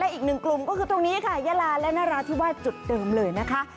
และอีกนึงกลุ่มที่คือตรงนี้ค่ะยาลานราธิวาสที่ว่าจุดเดิมเลยนะคะ